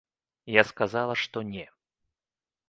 Я сказала, што не.